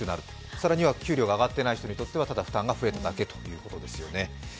更には給料が上がっていない人にとっては負担が増えるだけということになりますね。